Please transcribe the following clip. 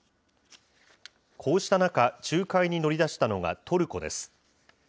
こうした中、仲介に乗り出したのがトルコです。